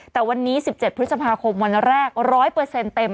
แต่วันนี้๑๗พฤษภาคมวันแรก๑๐๐เต็ม